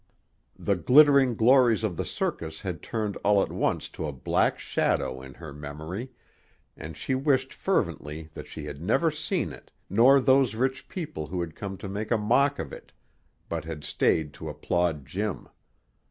The glittering glories of the circus had turned all at once to a black shadow in her memory, and she wished fervently that she had never seen it nor those rich people who had come to make a mock of it, but had stayed to applaud Jim.